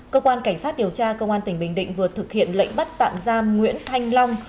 cơ quan cảnh sát điều tra công an tỉnh bình định vừa thực hiện lệnh bắt tạm giam nguyễn thanh long